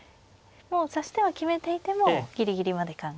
もう指し手は決めていてもギリギリまで考えて。